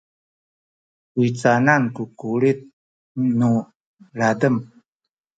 u canan ku kulit nu ladem?